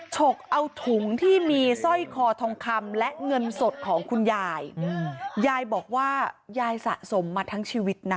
ฉกเอาถุงที่มีสร้อยคอทองคำและเงินสดของคุณยายยายบอกว่ายายสะสมมาทั้งชีวิตนะ